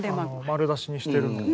丸出しにしてるの。